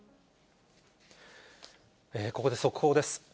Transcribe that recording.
ここで速報です。